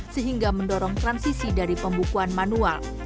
sehingga mendorong transisi dari pembukuan manual